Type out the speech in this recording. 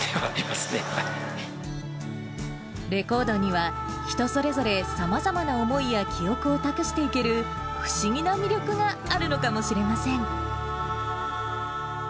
レコードには人それぞれ、さまざまな思いや記憶を託していける、不思議な魅力があるのかもしれません。